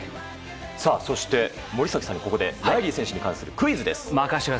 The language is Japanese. そして、森崎さんにここでライリー選手に関するクイズです。